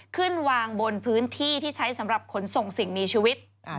ขึ้นวางบนพื้นที่ที่ใช้สำหรับขนส่งสิ่งมีชีวิต